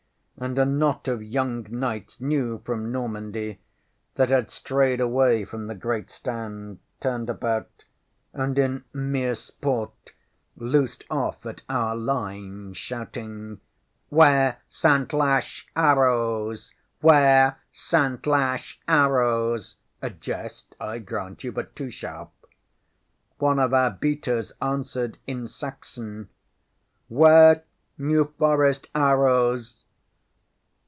ŌĆØ and a knot of young knights new from Normandy, that had strayed away from the Grand Stand, turned about, and in mere sport loosed off at our line shouting: ŌĆ£ŌĆśWare Santlache arrows! ŌĆśWare Santlache arrows! ŌĆØ A jest, I grant you, but too sharp. One of our beaters answered in Saxon: ŌĆ£ŌĆśWare New Forest arrows!